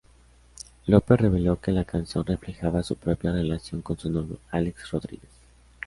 Lopez reveló que la canción reflejaba su propia relación con su novio Alex Rodríguez.